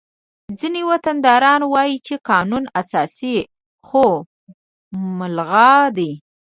ځینې وطنداران وایي چې قانون اساسي خو ملغا دی